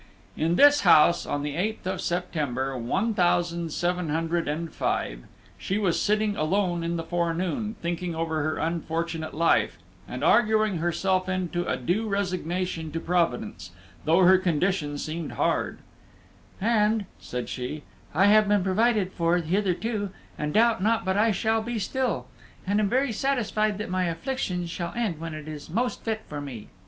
In this house, on the eighth of September, one thousand seven hundred and five, she was sitting alone in the forenoon, thinking over her unfortunate life, and arguing herself into a due resignation to Providence, though her condition seemed hard: "And," said she, "I have been provided for hitherto, and doubt not but I shall be still, and am well satisfied that my afflictions shall end when it is most fit for me."